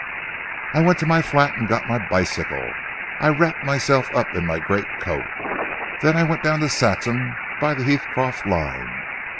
"I went to my flat and got my bicycle, and I wrapped myself up in my great coat. Then I went down to Saxham by the Heathcroft line.